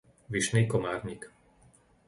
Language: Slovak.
Vyšný Komárnik